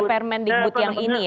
permending boot yang ini ya